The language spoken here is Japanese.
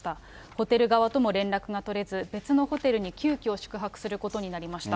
ホテル側とも連絡が取れず、別のホテルに急きょ宿泊することになりました。